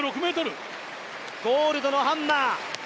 ゴールドのハンマー。